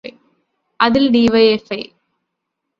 അതിൽ ഡി.വൈ.എഫ്.ഐ.